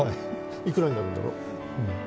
いくらになるんだろう